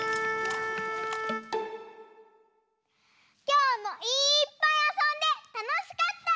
きょうもいっぱいあそんでたのしかった！